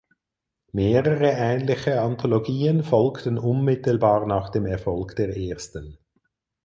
Mehrere ähnliche Anthologien folgten unmittelbar nach dem Erfolg der ersten.